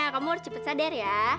kamu harus cepat sadar ya